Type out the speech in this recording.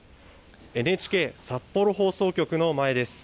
ＮＨＫ札幌放送局の前です。